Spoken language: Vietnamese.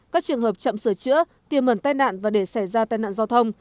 các trường hợp chậm sửa chữa tiềm mẩn tai nạn và để xảy ra tai nạn giao thông